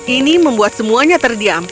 ini membuat semua orang terlalu sedih